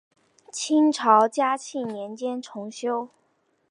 清朝嘉庆年间重修。